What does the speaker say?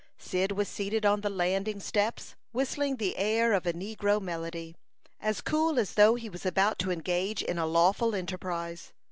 Cyd was seated on the landing steps, whistling the air of a negro melody, as cool as though he was about to engage in a lawful enterprise.